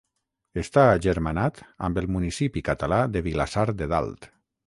Està agermanat amb el municipi català de Vilassar de Dalt.